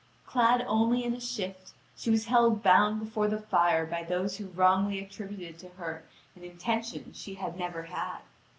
Clad only in a shift, she was held bound before the fire by those who wrongly attributed to her an intention she had never had.